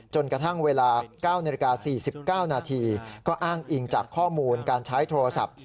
จนกระทั่งเวลา๙นาฬิกา๔๙นาทีก็อ้างอิงจากข้อมูลการใช้โทรศัพท์